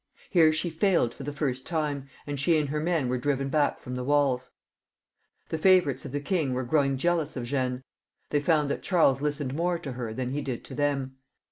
Here she failed for the first time; and she and her men were driven back from the walls. The favourites of the king were growing jealous of Jeanne; they found that Charles listened more to her than he did to them.